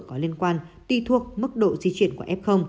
có liên quan tuy thuộc mức độ di chuyển của f